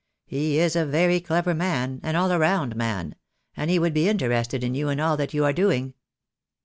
He is a very clever man — an all round man — and he would be in terested in you and all that you are doing."